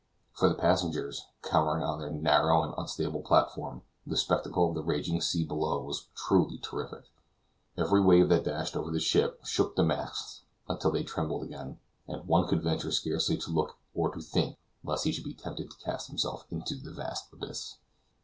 For the passengers, cowering on their narrow and unstable platform, the spectacle of the raging sea below was truly terrific; every wave that dashed over the ship shook the masts till they trembled again, and one could venture scarcely to look or to think lest he should be tempted to cast himself into the vast abyss.